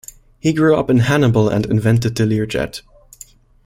He grew up in Hannibal and invented the Lear Jet.